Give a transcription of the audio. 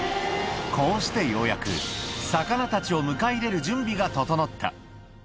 こうしてようやく、魚たちを迎え入れる準備が整った。